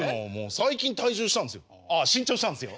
最近体重したんですよ。